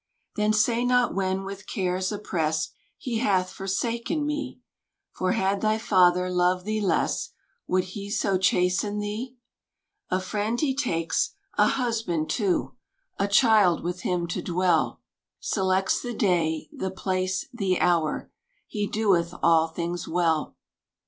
Then say not when with cares oppressed, He hath forsaken me; For had thy father loved thee less, Would he so chasten thee? A friend he takes, a Husband too, A Child, with him to dwell; Selects the day, the place, the hour "He doeth all things well."